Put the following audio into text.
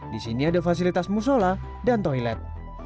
di sini ada fasilitas musola dan toilet